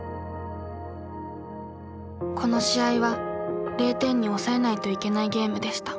「この試合は０点に抑えないといけないゲームでした」。